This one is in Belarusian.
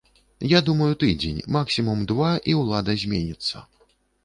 Я думаю тыдзень, максімум два і ўлада зменіцца.